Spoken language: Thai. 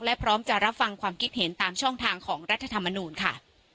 และพร้อมจะรับฟังความคิดเห็นตามช่องทางของรัฐธรรมนูลค่ะ